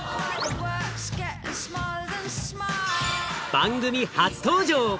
番組初登場！